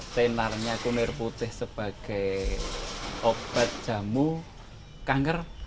tenarnya kunir putih sebagai obat jamu kanker